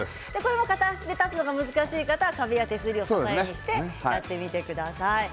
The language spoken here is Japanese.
片足で立つのが難しい方は壁や手すりを支えにしてやってみてください。